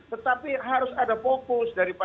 tetapi harus ada fokus dari pak bapak